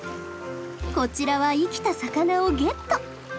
こちらは生きた魚をゲット！